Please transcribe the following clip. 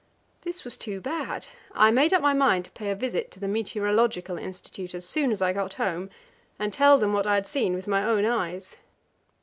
This was too bad. I made up my mind to pay a visit to the Meteorological Institute as soon as I got home, and tell them what I had seen with my own eyes.